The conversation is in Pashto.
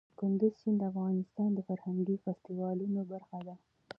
کندز سیند د افغانستان د فرهنګي فستیوالونو برخه ده.